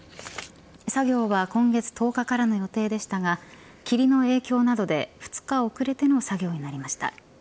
作業は今月１０日からの予定でしたが霧の影響などで２日遅れての作業となりました。